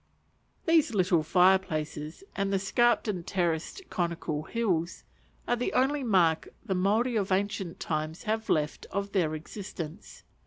These little fire places, and the scarped and terraced conical hills, are the only mark the Maori of ancient times have left of their existence.